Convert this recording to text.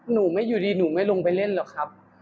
หนูไม่อยู่ดีหนูไม่ลงไปเล่นหรอกครับ